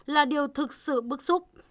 là điều thực sự bức xúc